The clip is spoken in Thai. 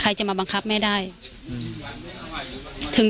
การแก้เคล็ดบางอย่างแค่นั้นเอง